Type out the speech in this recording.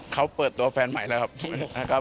เขาเปิดตัวแฟนใหม่แล้วครับ